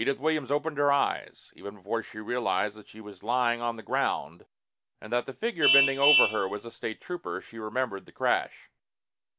Edith Williams opened her eyes. Even before she realized that she was lying on the ground and that the figure bending over her was a State Trooper, she remembered the crash.